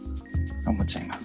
思っちゃいます。